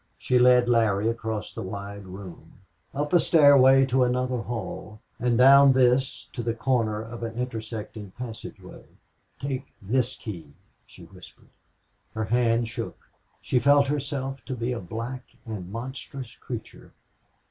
She led Larry across the wide room, up a stairway to another hall, and down this to the corner of an intersecting passageway. "Take this key!" she whispered. Her hand shook. She felt herself to be a black and monstrous creature.